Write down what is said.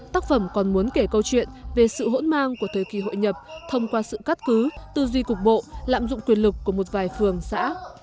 tác phẩm còn muốn kể câu chuyện về sự hỗn mang của thời kỳ hội nhập thông qua sự cắt cứ tư duy cục bộ lạm dụng quyền lực của một vài phường xã